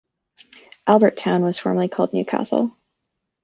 Albert Town was formerly called Newcastle.